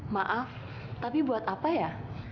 maaf tapi buat apa ya